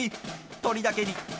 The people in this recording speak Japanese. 鳥だけに。